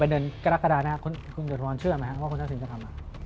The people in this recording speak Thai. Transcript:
เป็นเดินกระดาษคุณเจอทรวลเชื่อไหมว่ะคุณทักษิณจะทำ